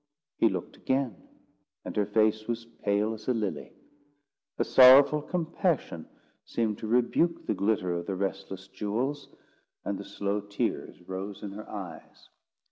He looked again, and her face was pale as a lily. A sorrowful compassion seemed to rebuke the glitter of the restless jewels, and the slow tears rose in her eyes.